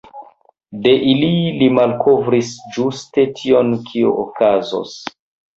De ili li malkovris ĝuste tion kio okazos.